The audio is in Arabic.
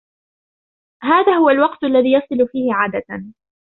هذا هو الوقت الذي يصل فيه عادة.